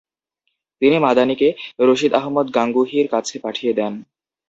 তিনি মাদানিকে রশিদ আহমদ গাঙ্গুহির কাছে পাঠিয়ে দেন।